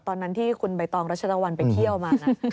ตอนนั้นที่คุณใบตองรัชตะวันไปเที่ยวมานะ